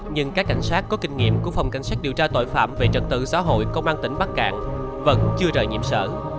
nhưng các cảnh sát có kinh nghiệm của phòng cảnh sát điều tra tội phạm về trật tự xã hội công an tỉnh bắc cạn vẫn chưa rời nhiệm sở